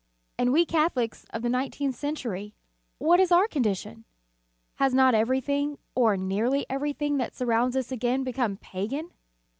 And we Catholics of the nineteenth century, what is our condition? Has not every thing, or nearly every thing that sur rounds us again become pagan?